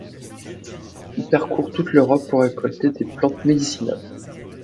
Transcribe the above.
Il parcourt toute l’Europe pour récolter des plantes médicinales.